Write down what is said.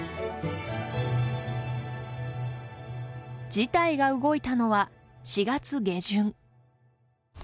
事態が動いたのは、４月下旬。